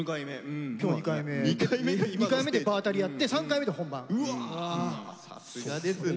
２回目で場当たりやってさすがですね。